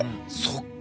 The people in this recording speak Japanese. そっか